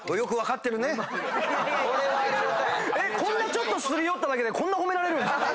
ちょっとすり寄っただけでこんな褒められるんですか